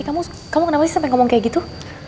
kamu kenapa sih sampai ngomong kayak gitu